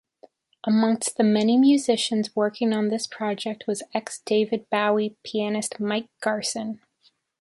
Amongst the many musicians working on this project was ex-David Bowie pianist Mike Garson.